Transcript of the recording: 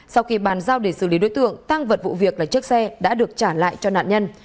sau khi bàn giao để xử lý đối tượng tăng vật vụ việc là chiếc xe đã được trả lại cho nạn nhân